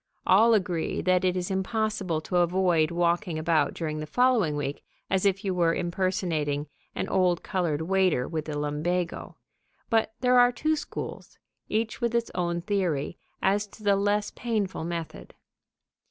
All agree that it is impossible to avoid walking about during the following week as if you were impersonating an old colored waiter with the lumbago; but there are two schools, each with its own theory, as to the less painful method.